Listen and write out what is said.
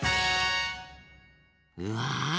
うわ！